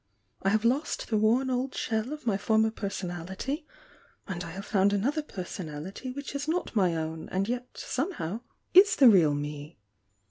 I have lost the worn old shell of my former personality, and I have found another personality which is not my own, and yet some how is the real Me!